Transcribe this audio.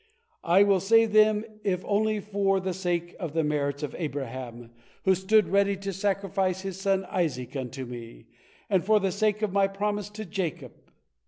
I will save them if only for the sake of the merits of Abraham, who stood ready to sacrifice his son Isaac unto Me, and for the sake of My promise to Jacob.